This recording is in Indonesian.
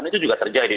kan itu juga terjadi